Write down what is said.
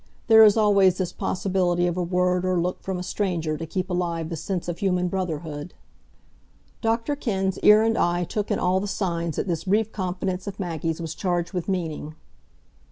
There is always this possibility of a word or look from a stranger to keep alive the sense of human brotherhood. Dr Kenn's ear and eye took in all the signs that this brief confidence of Maggie's was charged with meaning.